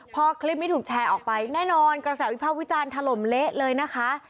พอคลิปนี้ถูกแชร์ออกไปแน่นอนกระแสวิภาพวิจารณ์ถล่มเละเลยนะคะ